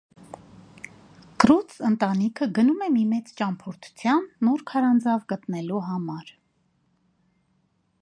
Կրուդս ընտանիքը գնում է մի մեծ ճանփորդության՝ նոր քարանձավ գտնելու համար։